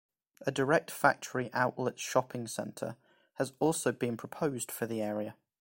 A Direct Factory Outlets shopping centre has also been proposed for the area.